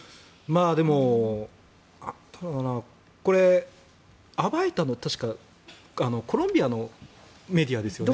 でも、暴いたのは確かコロンビアのメディアですよね。